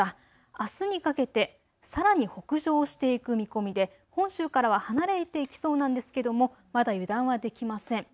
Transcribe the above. あすにかけてさらに北上していく見込みで本州からは離れていきそうなんですけれどもまだ油断はできません。